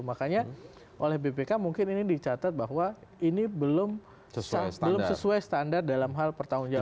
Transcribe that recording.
makanya oleh bpk mungkin ini dicatat bahwa ini belum sesuai standar dalam hal pertanggung jawaban